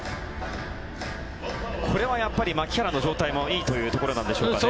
これは牧原の状態もいいというところなんですかね。